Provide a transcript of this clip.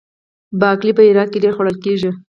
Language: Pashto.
باقلي په هرات کې ډیر خوړل کیږي.